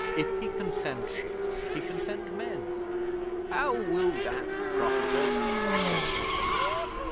If he can send ships, he can send men." '"How will that profit us?" said Pertinax.